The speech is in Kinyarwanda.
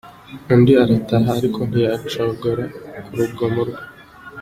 Undi arataha, ariko ntiyacogora ku rugomo rwe.